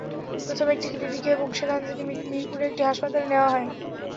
প্রথমে একটি ক্লিনিকে এবং সেখান থেকে মিরপুরের একটি হাসপাতালে নেওয়া হয়।